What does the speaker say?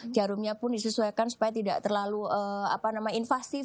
jarumnya pun disesuaikan supaya tidak terlalu invasif